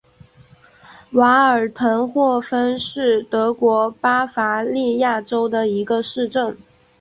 瓦尔滕霍芬是德国巴伐利亚州的一个市镇。